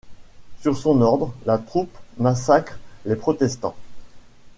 Sur son ordre, la troupe massacre les protestants.